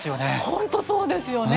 本当にそうですよね。